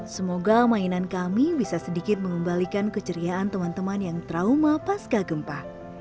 semoga mainan kami bisa sedikit mengembalikan keceriaan teman teman yang trauma pasca gempa